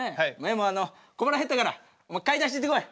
もうあの小腹減ったからお前買い出し行ってこい。